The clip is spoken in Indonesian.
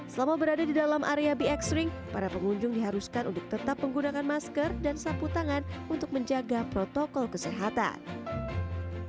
selama berada di dalam area bx ring para pengunjung diharuskan untuk tetap menggunakan masker dan sapu tangan untuk menjaga protokol kesehatan